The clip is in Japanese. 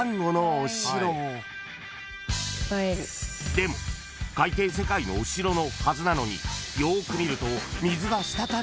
［でも海底世界のお城のはずなのによく見ると］